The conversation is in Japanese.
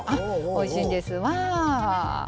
おいしいんですわぁ。